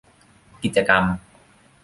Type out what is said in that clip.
กิจกรรม